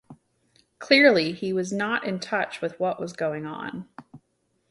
Clearly he was not in touch with what was going on.